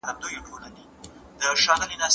زه به سبا کتابتوننۍ سره وخت تېره کړم!!